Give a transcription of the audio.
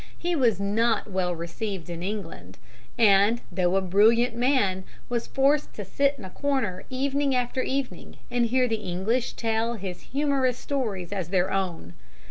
He was not well received in England, and, though a brilliant man, was forced to sit in a corner evening after evening and hear the English tell his humorous stories as their own.